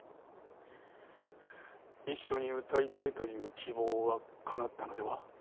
一緒に歌いたいという希望は叶ったのでは？